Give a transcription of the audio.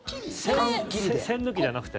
栓抜きじゃなくて？